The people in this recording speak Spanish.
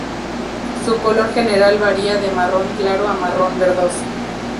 Su color general varía de marrón claro o marrón verdoso.